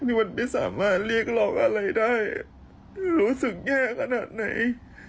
นี่มันไม่สามารถเรียกร้องอะไรได้รู้สึกแย่ขนาดไหน